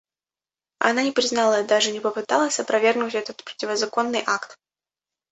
Она не признала и даже не попыталась опровергнуть этот противозаконный акт.